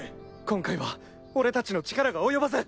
今回は俺達の力が及ばず。